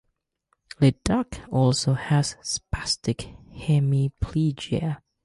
Leduc also has spastic hemiplegia.